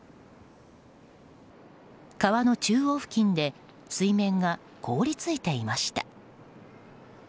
川の中央付近で水面が氷りついていました。